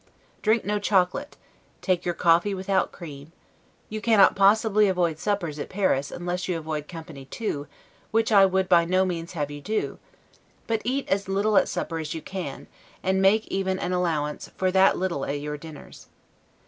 Drink no chocolate; take your coffee without cream: you cannot possibly avoid suppers at Paris, unless you avoid company too, which I would by no means have you do; but eat as little at supper as you can, and make even an allowance for that little at your dinners.